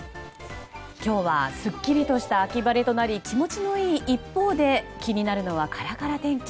今日はすっきりとした秋晴れとなり気持ちのいい一方で気になるのはカラカラ天気。